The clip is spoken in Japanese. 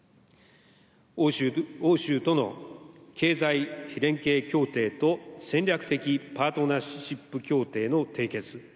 欧州との経済連携協定と戦略的パートナーシップ協定の締結。